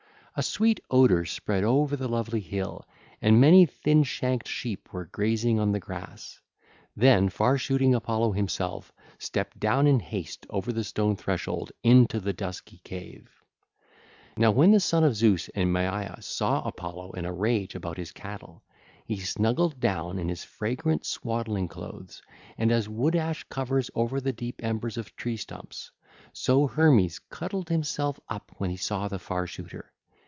A sweet odour spread over the lovely hill, and many thin shanked sheep were grazing on the grass. Then far shooting Apollo himself stepped down in haste over the stone threshold into the dusky cave. (ll. 235 253) Now when the Son of Zeus and Maia saw Apollo in a rage about his cattle, he snuggled down in his fragrant swaddling clothes; and as wood ash covers over the deep embers of tree stumps, so Hermes cuddled himself up when he saw the Far Shooter.